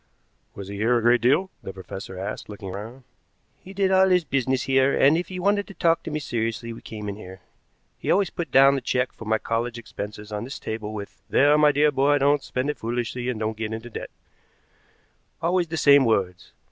"Was he here a great deal?" the professor asked, looking round. "He did all his business here, and if he wanted to talk to me seriously we came in here. He always put down the check for my college expenses on this table with, 'There, my dear boy, don't spend it foolishly and don't get into debt' always the same words.